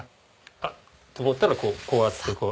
「あっ！」と思ったらこうやってこう。